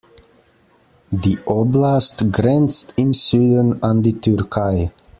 Die Oblast grenzt im Süden an die Türkei.